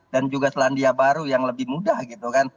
dan juga selandia baru yang lebih mudah gitu kan